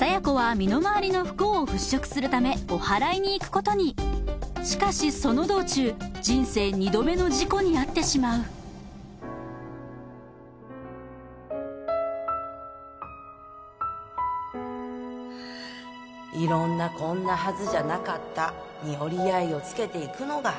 身の回りの不幸を払拭するためおはらいに行くことにしかしその道中人生２度目の事故に遭ってしまう色んな「こんなはずじゃなかった」に折り合いをつけていくのが